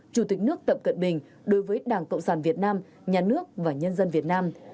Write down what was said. chủ tịch nước tập cận bình đối với đảng cộng sản việt nam nhà nước và nhân dân việt nam